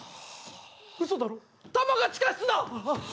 うそだろ弾が地下室だ！